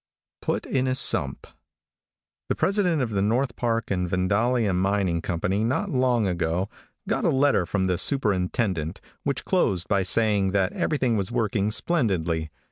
PUT IN A SUMP. |THE president of the North Park and Vandaliar Mining Company not long ago got a letter from the superintendent which closed by saying that everything was working splendidly.